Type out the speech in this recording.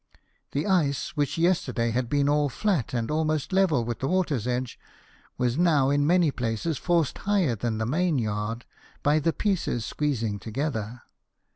The ice, which yesterday had been all flat, and almost level with the water's edge, was now in many places forced higher than the mainyard, by the pieces 8 LIFE OF NELSON. squeezing together.